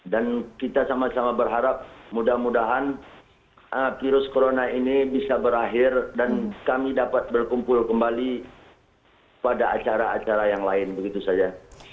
dan kita sama sama berharap mudah mudahan virus corona ini bisa berakhir dan kami dapat berkumpul kembali pada acara acara yang lain begitu saja